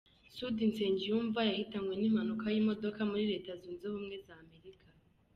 Sudi Nsengiyumva yahitanywe n'impanuka y'imodoka muri Leta Zunze Ubumwe za Amerika.